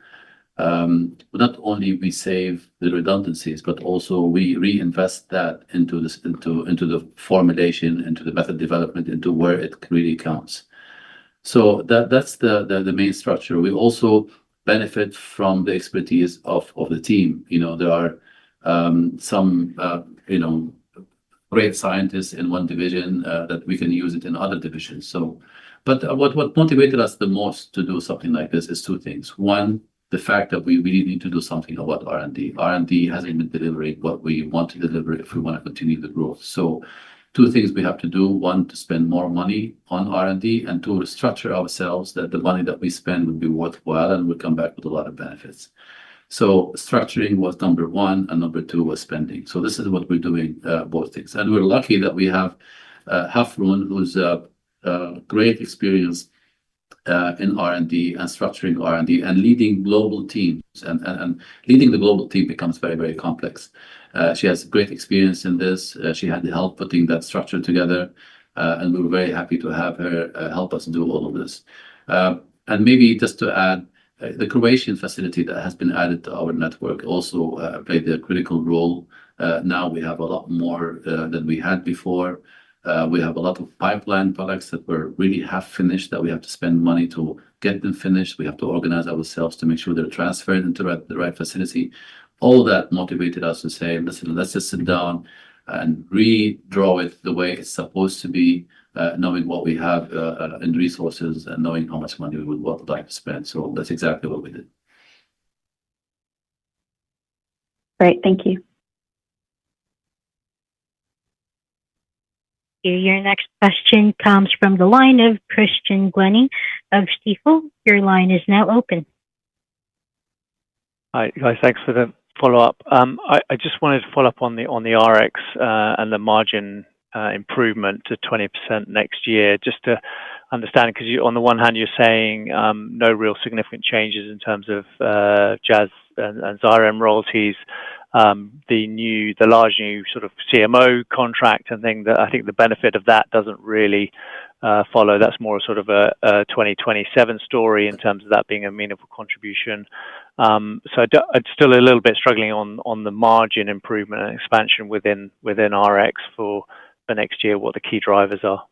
not only we save the redundancies, but also we reinvest that into the formulation, into the method development, into where it really counts. So that's the main structure. We also benefit from the expertise of the team. There are some great scientists in one division that we can use in other divisions. But what motivated us the most to do something like this is two things. One, the fact that we really need to do something about R&D. R&D hasn't been delivering what we want to deliver if we want to continue the growth, so two things we have to do. One, to spend more money on R&D, and two, restructure ourselves so that the money that we spend would be worthwhile and would come back with a lot of benefits. Structuring was number one, and number two was spending. This is what we're doing, both things. We're lucky that we have Hafrun, who has great experience in R&D and structuring R&D and leading global teams. Leading the global team becomes very, very complex. She has great experience in this. She helped putting that structure together. We're very happy to have her help us do all of this. Maybe just to add, the Croatian facility that has been added to our network also played a critical role. Now we have a lot more than we had before. We have a lot of pipeline products that really have finished that we have to spend money to get them finished. We have to organize ourselves to make sure they're transferred into the right facility. All that motivated us to say, "Listen, let's just sit down and redraw it the way it's supposed to be, knowing what we have in resources and knowing how much money we would like to spend." So that's exactly what we did. Great. Thank you. Your next question comes from Christian Glennie of Stifel. Your line is now open. Hi. Thanks for the follow-up. I just wanted to follow up on the Rx and the margin improvement to 20% next year. Just to understand, because on the one hand, you're saying no real significant changes in terms of Jazz and Xyrem royalties, the large new sort of CMO contract and thing. I think the benefit of that doesn't really follow. That's more sort of a 2027 story in terms of that being a meaningful contribution. So I'm still a little bit struggling on the margin improvement and expansion within Rx for the next year, what the key drivers are?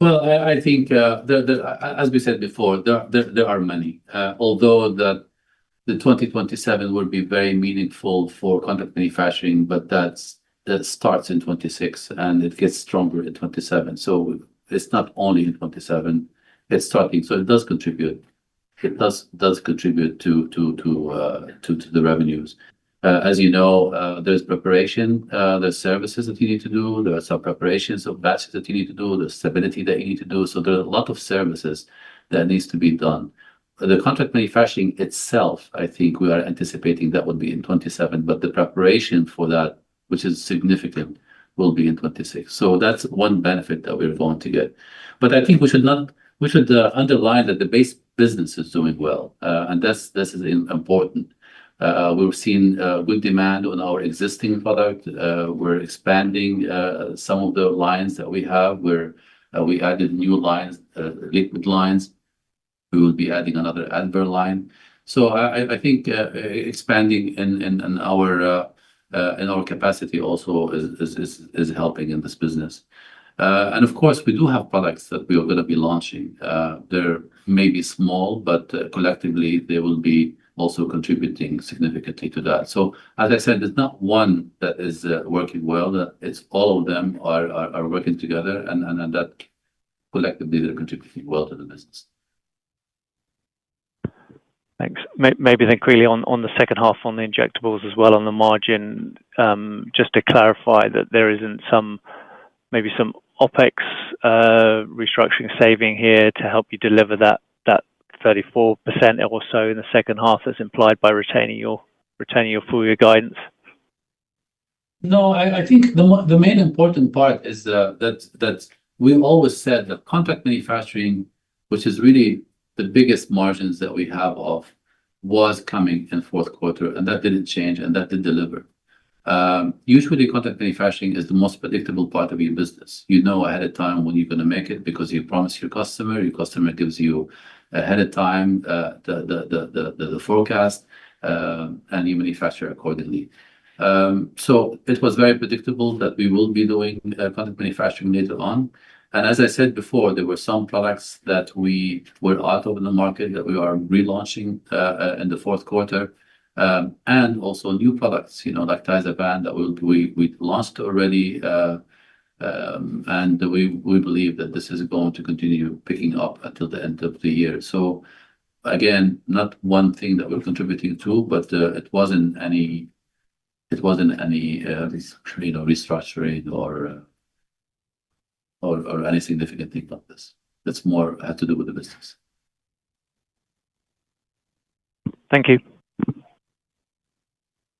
I think, as we said before, there are many, although the 2027 will be very meaningful for contract manufacturing, but that starts in 2026, and it gets stronger in 2027. It's not only in 2027. It's starting. It does contribute. It does contribute to the revenues. As you know, there's preparation. There's services that you need to do. There are some preparations of batches that you need to do, the stability that you need to do. There are a lot of services that need to be done. The contract manufacturing itself, I think we are anticipating that would be in 2027, but the preparation for that, which is significant, will be in 2026. That's one benefit that we're going to get. I think we should underline that the base business is doing well. This is important. We've seen good demand on our existing product. We're expanding some of the lines that we have. We added new lines, liquid lines. We will be adding another Advair line, so I think expanding in our capacity also is helping in this business, and of course, we do have products that we are going to be launching. They're maybe small, but collectively, they will be also contributing significantly to that, so as I said, there's not one that is working well. It's all of them are working together, and collectively, they're contributing well to the business. Thanks. Maybe then quickly on the second half, on the Injectables as well, on the margin, just to clarify that there isn't maybe some OpEx restructuring saving here to help you deliver that 34% or so in the second half as implied by retaining your full year guidance? No, I think the main important part is that we always said that contract manufacturing, which is really the biggest margins that we have of, was coming in fourth quarter, and that didn't change, and that did deliver. Usually, contract manufacturing is the most predictable part of your business. You know ahead of time when you're going to make it because you promise your customer, your customer gives you ahead of time the forecast, and you manufacture accordingly so it was very predictable that we will be doing contract manufacturing later on, and as I said before, there were some products that we were out of the market that we are relaunching in the fourth quarter, and also new products like Tyvaso that we launched already, and we believe that this is going to continue picking up until the end of the year. So again, not one thing that we're contributing to, but it wasn't any restructuring or any significant thing like this. It's more had to do with the business. Thank you.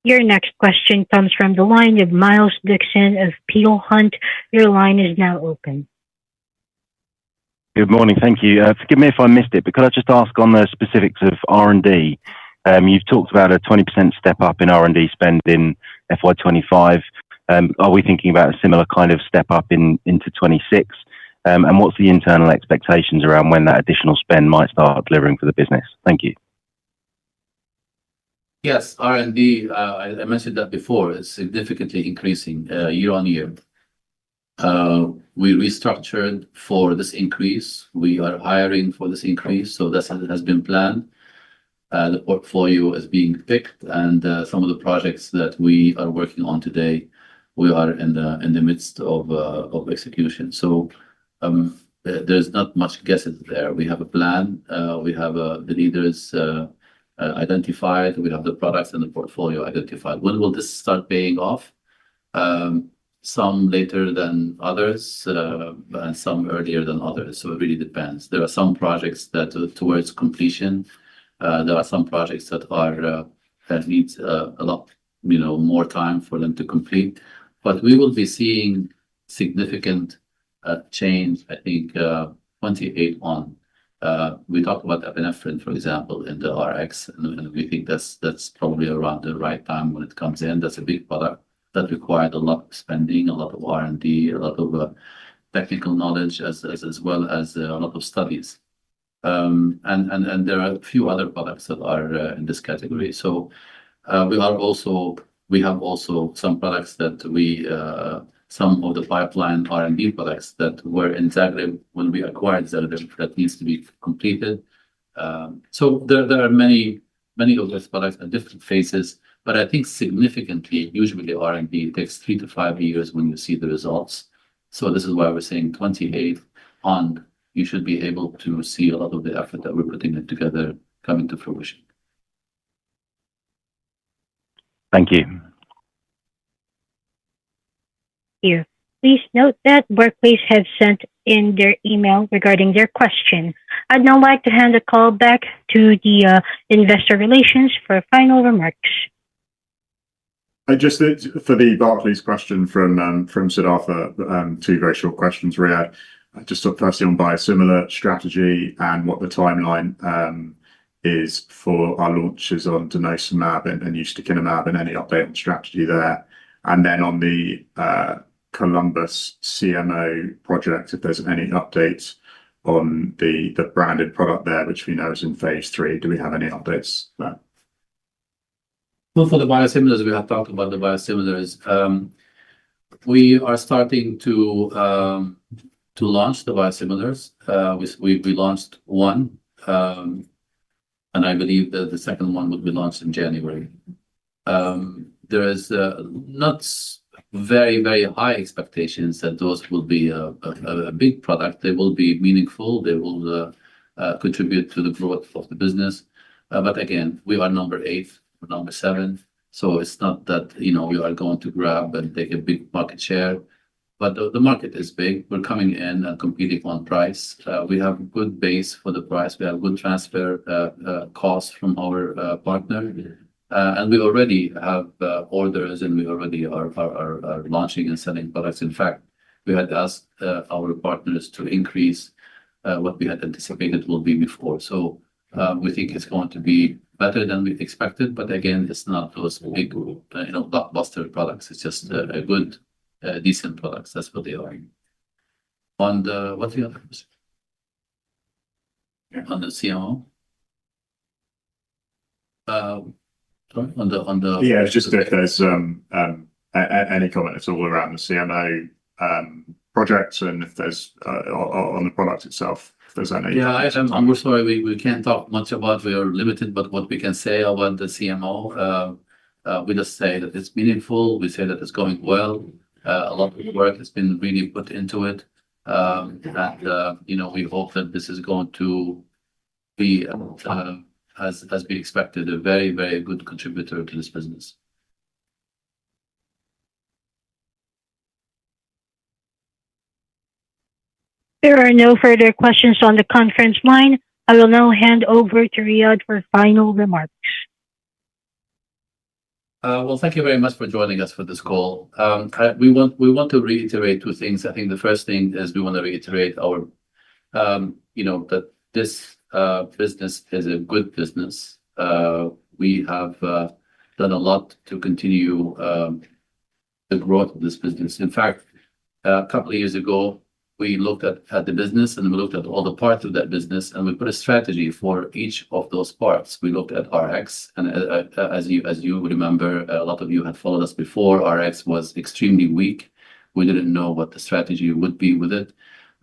Your next question comes from analyst Miles Dixon of Peel Hunt. Your line is now open. Good morning. Thank you. Forgive me if I missed it because I just asked on the specifics of R&D. You've talked about a 20% step-up in R&D spend in FY25. Are we thinking about a similar kind of step-up into 2026? And what's the internal expectations around when that additional spend might start delivering for the business? Thank you. Yes. R&D, I mentioned that before, is significantly increasing year on year. We restructured for this increase. We are hiring for this increase. So this has been planned. The portfolio is being picked. And some of the projects that we are working on today, we are in the midst of execution. So there's not much guesses there. We have a plan. We have the leaders identified. We have the products and the portfolio identified. When will this start paying off? Some later than others and some earlier than others. So it really depends. There are some projects that are towards completion. There are some projects that need a lot more time for them to complete. But we will be seeing significant change, I think, 2028 on. We talked about epinephrine, for example, in the Rx. And we think that's probably around the right time when it comes in. That's a big product that required a lot of spending, a lot of R&D, a lot of technical knowledge, as well as a lot of studies. There are a few other products that are in this category. We have also some products, some of the pipeline R&D products that were in Zagreb when we acquired Zagreb that need to be completed. There are many of these products at different phases. I think significantly, usually R&D takes three to five years when you see the results. This is why we're saying '28 on, you should be able to see a lot of the effort that we're putting together coming to fruition. Thank you. Here. Please note that Barclays has sent in their email regarding their question. I'd now like to hand the call back to the Investor Relations for final remarks. Just for the Barclays question from Sidhartha, two very short questions, Riad. Just to start on biosimilar strategy and what the timeline is for our launches on denosumab and ustekinumab and any update on strategy there. And then on the Columbus CMO project, if there's any updates on the branded product there, which we know is in phase three, do we have any updates there? So for the biosimilars, we have talked about the biosimilars. We are starting to launch the biosimilars. We launched one. And I believe that the second one will be launched in January. There is not very, very high expectations that those will be a big product. They will be meaningful. They will contribute to the growth of the business. But again, we are number eight or number seven. So it's not that we are going to grab and take a big market share. But the market is big. We're coming in and competing on price. We have a good base for the price. We have good transfer costs from our partner. And we already have orders, and we already are launching and selling products. In fact, we had asked our partners to increase what we had anticipated will be before. So we think it's going to be better than we expected. But again, it's not those big blockbuster products. It's just good, decent products. That's what they are. On the what's the other question? On the CMO? On the. Yeah, just if there's any comments all around the CMO projects and if there's any on the product itself? Yeah, I'm sorry. We can't talk much about. We are limited, but what we can say about the CMO, we just say that it's meaningful. We say that it's going well. A lot of work has been really put into it. And we hope that this is going to be, as we expected, a very, very good contributor to this business. There are no further questions on the conference line. I will now hand over to Riad for final remarks. Thank you very much for joining us for this call. We want to reiterate two things. I think the first thing is we want to reiterate that this business is a good business. We have done a lot to continue the growth of this business. In fact, a couple of years ago, we looked at the business, and we looked at all the parts of that business, and we put a strategy for each of those parts. We looked at Rx. And as you remember, a lot of you had followed us before. Rx was extremely weak. We didn't know what the strategy would be with it.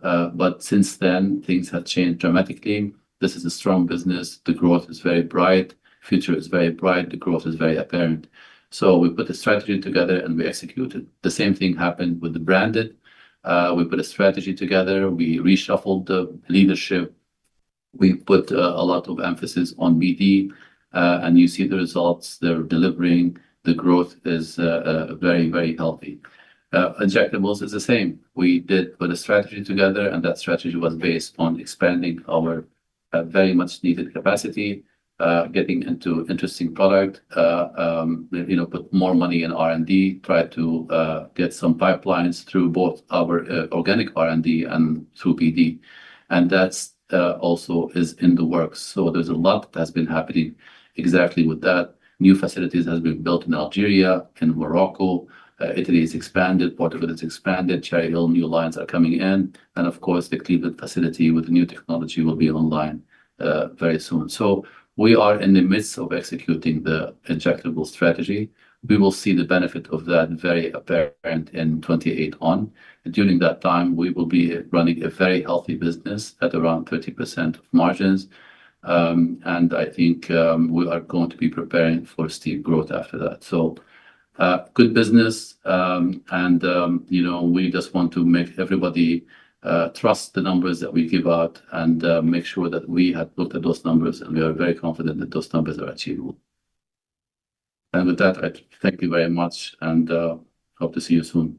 But since then, things have changed dramatically. This is a strong business. The growth is very bright. The future is very bright. The growth is very apparent. So we put the strategy together, and we executed. The same thing happened with the branded. We put a strategy together. We reshuffled the leadership. We put a lot of emphasis on BD. And you see the results. They're delivering. The growth is very, very healthy. Injectables is the same. We did put a strategy together, and that strategy was based on expanding our very much needed capacity, getting into interesting product, put more money in R&D, tried to get some pipelines through both our organic R&D and through BD. And that also is in the works. So there's a lot that has been happening exactly with that. New facilities have been built in Algeria, in Morocco. Italy has expanded. Portugal has expanded. Cherry Hill, new lines are coming in. And of course, the Cleveland facility with the new technology will be online very soon. So we are in the midst of executing the injectable strategy. We will see the benefit of that very apparent in 2028 on. And during that time, we will be running a very healthy business at around 30% of margins. And I think we are going to be preparing for steep growth after that. So good business. And we just want to make everybody trust the numbers that we give out and make sure that we had looked at those numbers, and we are very confident that those numbers are achievable. And with that, I thank you very much and hope to see you soon.